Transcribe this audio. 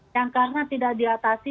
yang karena tidak diatasi